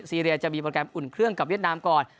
ซีเรียจะมีโปรแกรมอุ่นเครื่องกับเวียดนามก่อน